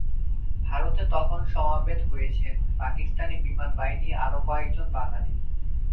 ভারতে তখন সমবেত হয়েছেন পাকিস্তানি বিমানবাহিনীর আরও কয়েকজন বাঙালি।